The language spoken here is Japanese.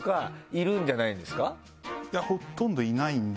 いやほとんどいないんで。